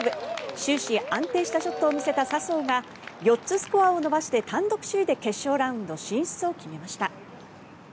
終始、安定したショットを見せた笹生が４つスコアを伸ばして単独首位で決勝ラウンド進出を決めました。